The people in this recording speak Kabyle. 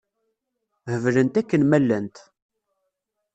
Heblent akken ma llant.